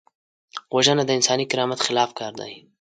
وژنه د انساني کرامت خلاف کار دی